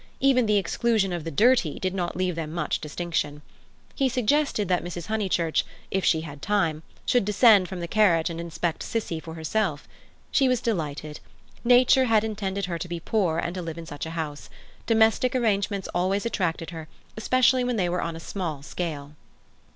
Even the exclusion of the dirty did not leave them much distinction. He suggested that Mrs. Honeychurch, if she had time, should descend from the carriage and inspect "Cissie" for herself. She was delighted. Nature had intended her to be poor and to live in such a house. Domestic arrangements always attracted her, especially when they were on a small scale.